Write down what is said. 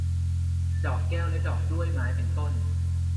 ดอกแก้ว และดอกกล้วยไม้ เป็นต้น